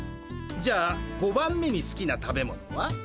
じゃあ５番目にすきな食べ物は？